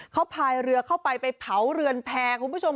เขาพายเรือเข้าไปไปเผาเรือนแพร่คุณผู้ชม